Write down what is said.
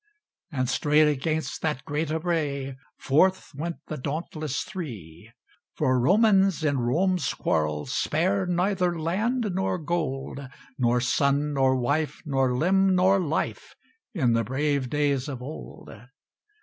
And straight against that great array Forth went the dauntless Three. For Romans in Rome's quarrel Spared neither land nor gold, Nor son nor wife, nor limb nor life In the brave days of old.